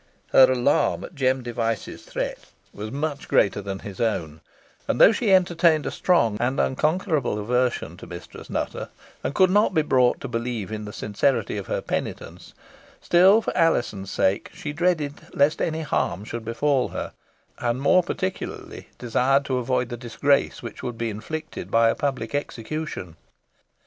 Her alarm at Jem Device's threat was much greater than his own; and, though she entertained a strong and unconquerable aversion to Mistress Nutter, and could not be brought to believe in the sincerity of her penitence, still, for Alizon's sake, she dreaded lest any harm should befall her, and more particularly desired to avoid the disgrace which would be inflicted by a public execution.